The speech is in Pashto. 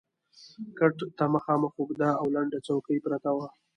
کټ ته مخامخ اوږده او لنډه څوکۍ پرته وه.